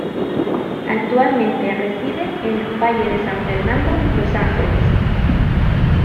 Actualmente reside en Valle de San Fernando, Los Ángeles.